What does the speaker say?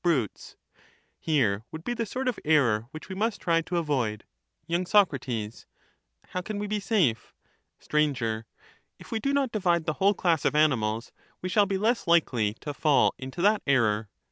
, brutes, — here would be the sort of error which we must try to avoid. Y. Soc. How can we be safe? Str. If we do not divide the whole class of animals, we shall be less likely to fall into that error.